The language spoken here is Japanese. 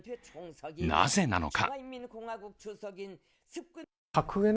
なぜなのか。